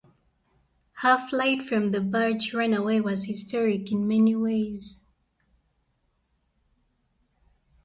Her flight from the Bhuj runaway was historic in many ways.